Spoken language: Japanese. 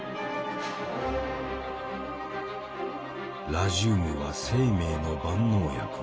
ラジウムは「生命の万能薬」